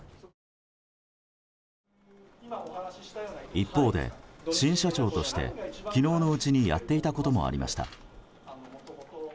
一方で、新社長として昨日のうちにやっていたこともありました。